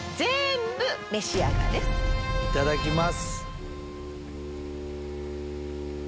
いただきます。